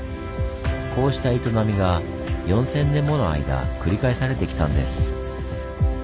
こうした営みが４０００年もの間繰り返されてきたんです。